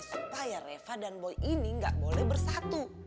supaya reva dan boy ini gak boleh bersatu